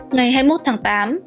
ngày hai mươi một tháng tám